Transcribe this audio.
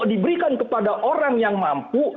diberikan kepada orang yang mampu